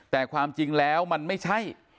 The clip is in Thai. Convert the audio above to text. แต่ความจริงแล้วมันไม่ใช่